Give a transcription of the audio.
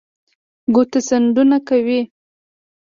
ګوتڅنډنه کوي